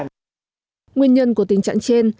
nguyên nhân của tình trạng trên